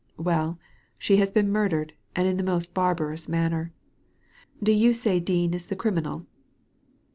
Well, she has been murdered, and in the most barbarous manner. Do you say Dean is the criminal